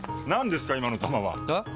何ですか今の球は！え？